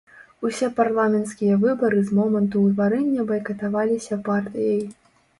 Усе парламенцкія выбары з моманту ўтварэння байкатаваліся партыяй.